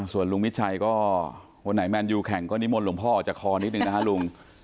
ส่วนลุงมิดชัยก็วันไหนแมนยูแข่งก็นิมนต์หลวงพ่อออกจากคอนิดนึงนะฮะลุง